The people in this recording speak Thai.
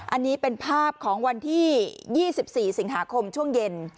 อันนี้เป็นภาพของวันที่๒๔สิงหาคมช่วงเย็น